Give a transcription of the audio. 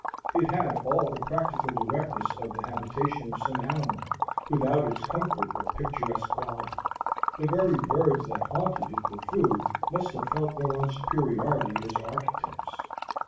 It had all the practical directness of the habitation of some animal, without its comfort or picturesque quality; the very birds that haunted it for food must have felt their own superiority as architects.